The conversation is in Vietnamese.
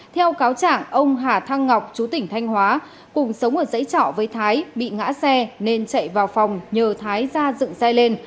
theo cáo trảng ông hà thăng ngọc chú tỉnh thanh hóa cùng sống ở dãy trọ với thái bị ngã xe nên chạy vào phòng nhờ thái ra dựng xe lên